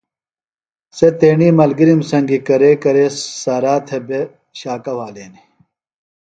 سےۡ تیݨی ملگِرِم سنگیۡ کرے کرے سارا تھےۡ بےۡ شاکہ وھالینیۡ۔